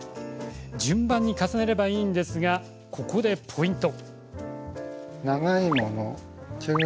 順番に重ねればいいんですがここでポイント。